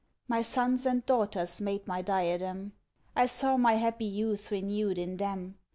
My sons and daughters made my diadem; I saw my happy youth renewed in them.